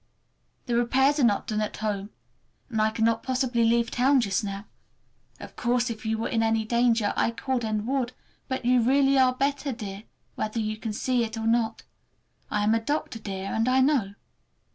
"The repairs are not done at home, and I cannot possibly leave town just now. Of course if you were in any danger I could and would, but you really are better, dear, whether you can see it or not. I am a doctor, dear, and I know.